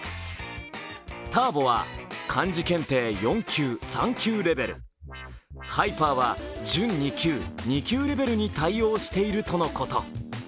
「ターボ」は漢字検定４級・３級レベル「ハイパー」は準２級、２級レベルに対応しているとのこと。